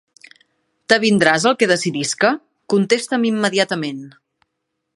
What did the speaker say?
T'avindràs al que decidisca? Contesta'm immediatament!